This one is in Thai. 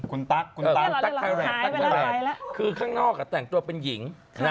คุณตั๊กคุณตั๊กตั๊กไทยแรดตั๊กไทยแลตคือข้างนอกแต่งตัวเป็นหญิง